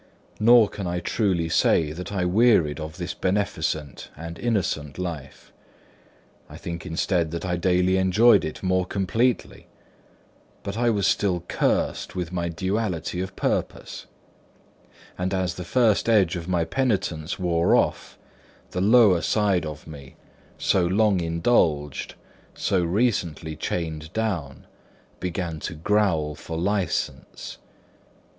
Nor can I truly say that I wearied of this beneficent and innocent life; I think instead that I daily enjoyed it more completely; but I was still cursed with my duality of purpose; and as the first edge of my penitence wore off, the lower side of me, so long indulged, so recently chained down, began to growl for licence.